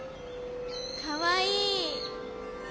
かわいい。